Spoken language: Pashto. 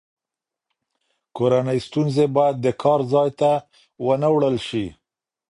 کورنۍ ستونزې باید د کار ځای ته ونه وړل شي.